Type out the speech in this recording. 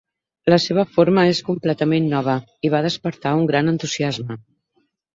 La seva forma és completament nova i va despertar un gran entusiasme.